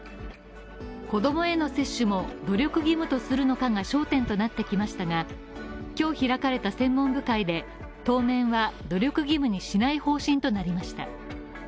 子どもへの接種も努力義務とするのかが焦点となってきましたが今日開かれた専門部会で、当面は努力義務にしない方針となりました。